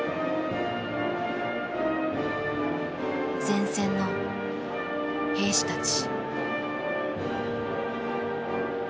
前線の兵士たち。